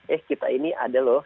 eh kita ini ada loh